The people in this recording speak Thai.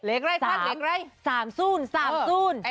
เลขไรครับเลขไร